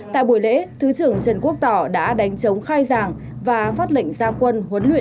tại buổi lễ thứ trưởng trần quốc tỏ đã đánh chống khai giảng và phát lệnh gia quân huấn luyện